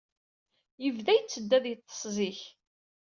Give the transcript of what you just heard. Yebda yetteddu ad yeḍḍes zik.